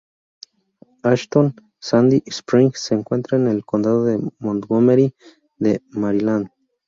Ashton-Sandy Spring se encuentra en el condado de Montgomery de Maryland.